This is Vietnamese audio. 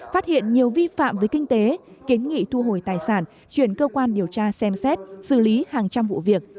phát hiện nhiều vi phạm với kinh tế kiến nghị thu hồi tài sản chuyển cơ quan điều tra xem xét xử lý hàng trăm vụ việc